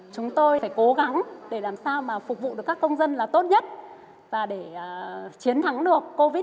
chúng tôi phải cố gắng để làm sao mà phục vụ được các công dân là tốt nhất và để chiến thắng được covid một mươi chín